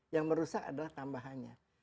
yang merusak adalah tambahannya